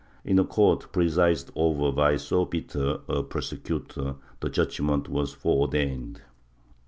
^ In a court presided over by so bitter a prosecutor, the judgement was fore ordained.